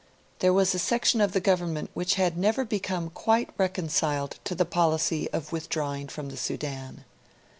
There was a section of the Government which had never become quite reconciled to the policy of withdrawing from the Sudan.